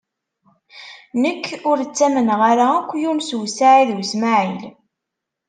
Nekk ur ttamneɣ ara akk Yunes u Saɛid u Smaɛil.